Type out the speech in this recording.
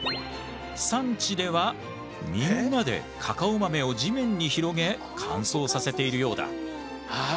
産地ではみんなでカカオ豆を地面に広げ乾燥させているようだ。